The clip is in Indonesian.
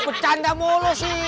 pecanda mulu sih